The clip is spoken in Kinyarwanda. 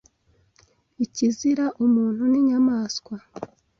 ikizira Umuntu n, inyamaswa